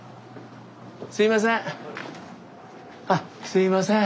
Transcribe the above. すいません。